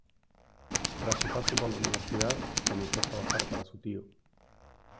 Tras su paso por la Universidad comenzó a trabajar para su tío.